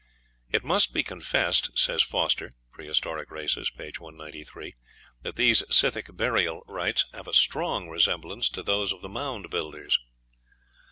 "It must be confessed," says Foster ("Prehistoric Races," p. 193), "that these Scythic burial rites have a strong resemblance to those of the Mound Builders."